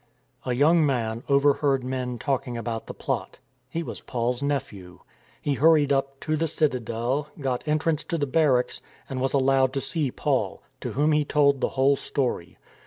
A young man overheard men talking about the plot. He was Paul's nephew. He hurried up to the citadel, got entrance to the barracks and was allowed to see Paul, to whom he told the whole story.